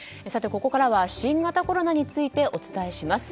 ここからは新型コロナについてお伝えします。